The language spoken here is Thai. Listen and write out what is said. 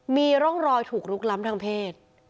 มีร่องรอยถูกลุกล้ำทางเพศ